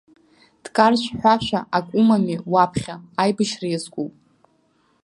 Дкаршә ҳәашәа ак умами, уаԥхьа, аибашьра иазкуп.